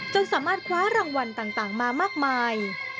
สามารถคว้ารางวัลต่างมามากมาย